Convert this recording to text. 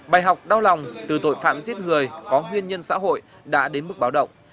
bài học đau lòng từ tội phạm giết người có nguyên nhân xã hội đã đến mức báo động